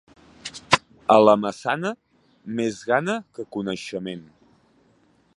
A la Maçana, més gana que coneixement.